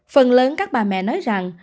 phần lớn các bà mẹ nói rằng